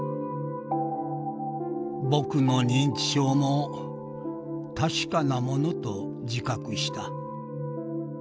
「僕の認知症も確かなものと自覚した。